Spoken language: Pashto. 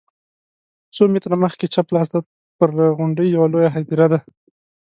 څو متره مخکې چپ لاس ته پر غونډۍ یوه لویه هدیره ده.